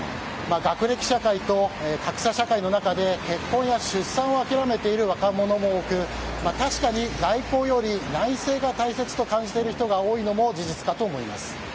学歴社会と格差社会の中で結婚や出産を諦めている若者も多く確かに外交より内政が大切と感じている人が多いのも事実かと思います。